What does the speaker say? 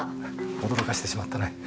驚かしてしまったね。